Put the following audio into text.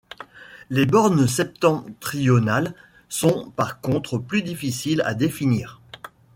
Les bornes septentrionales sont par contre plus difficiles à définir.